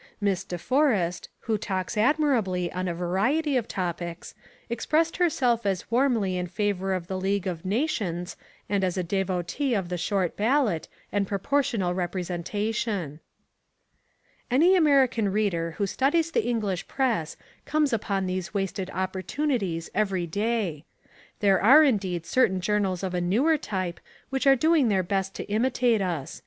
Miss De Forrest, who talks admirably on a variety of topics, expressed herself as warmly in favour of the League of Nations and as a devotee of the short ballot and proportional representation." Any American reader who studies the English Press comes upon these wasted opportunities every day. There are indeed certain journals of a newer type which are doing their best to imitate us.